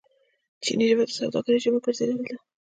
چیني ژبه د سوداګرۍ ژبه ګرځیدلې ده.